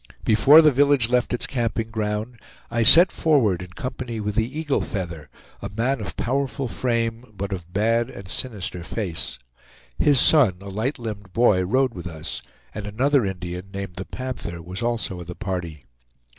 Before the village left its camping ground, I set forward in company with the Eagle Feather, a man of powerful frame, but of bad and sinister face. His son, a light limbed boy, rode with us, and another Indian, named the Panther, was also of the party.